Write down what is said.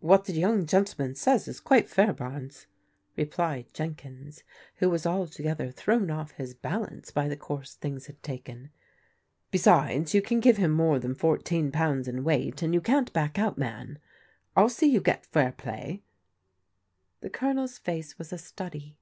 "What the young gentleman says is quite fair, Barnes, replied Jenkins, who was altogether thrown off his balance by the course things had taken. "Besides, 3fou can give him more than fourteen pounds in weighty and you can't back out, man t TU see you g^ i^t "^^ T 178 PEODIGAL DAUGHTERS The Colonel's face was a study.